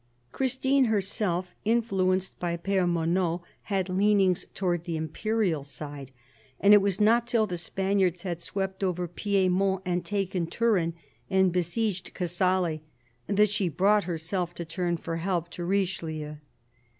Christine herself, influenced by Pere^Monot, had leanings towards the imperial side, and it was not till the Spaniards had swept over Piedmont and taken Turin and besieged Casale that she brought herself to turn for help to Richelieu.